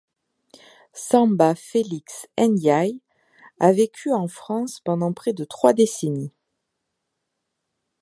Samba Félix Ndiaye a vécu en France pendant près de trois décennies.